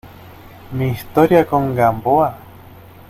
mi historia con Gamboa?